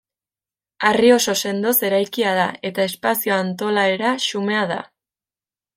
Harri oso sendoz eraikia da eta espazio-antolaera xumea da.